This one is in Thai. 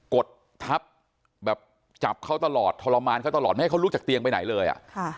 กดทับแบบจับเขาตลอดทรมานเขาตลอดไม่ให้เขาลุกจากเตียงไปไหนเลย